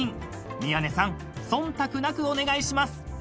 ［宮根さん忖度なくお願いします］